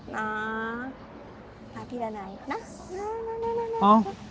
นะพาพี่ละไหนนะนานานานา